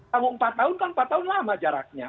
kamu empat tahun kan empat tahun lama jaraknya